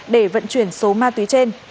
để vận chuyển số ma túy trên